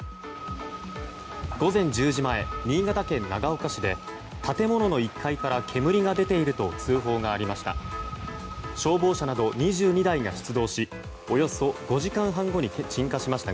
午前１０時前、新潟県長岡市で建物の１階から煙が出ていると通報がありました。